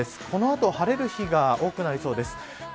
この後晴れる日が多くなりそうです。